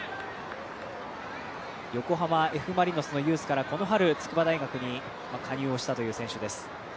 横浜Ｆ・マリノスのユースからこの春、筑波大学に加入したという選手です。